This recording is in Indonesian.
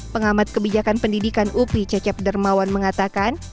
pengamat kebijakan pendidikan upi cecep dermawan mengatakan